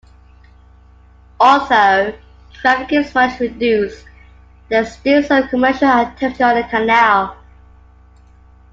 Although traffic is much reduced, there is still some commercial activity on the canal.